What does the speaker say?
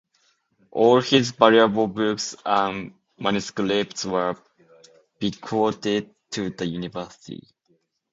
All his valuable books and manuscripts were bequeathed to the university.